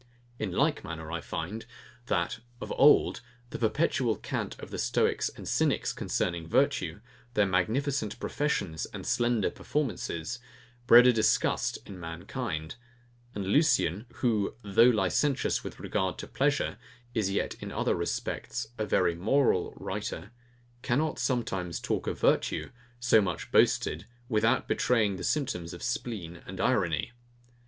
In like manner I find, that, of old, the perpetual cant of the STOICS and CYNICS concerning VIRTUE, their magnificent professions and slender performances, bred a disgust in mankind; and Lucian, who, though licentious with regard to pleasure, is yet in other respects a very moral writer, cannot sometimes talk of virtue, so much boasted without betraying symptoms of spleen and irony.